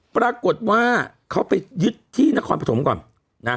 ปรากฏว่าเขาไปยึดที่นครปฐมก่อนนะ